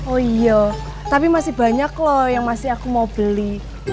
oh iya tapi masih banyak loh yang masih aku mau beli